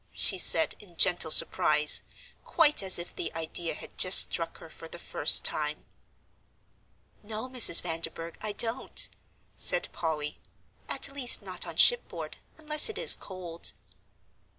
she said, in gentle surprise, quite as if the idea had just struck her for the first time. "No, Mrs. Vanderburgh, I don't," said Polly, "at least not on shipboard, unless it is cold."